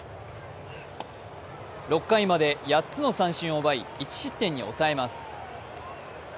６回まで８つの三振を奪い１失点に抑えます。